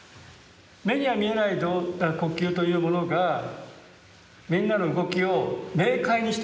目には見えない呼吸というものがみんなの動きを明快にしてるんですよ。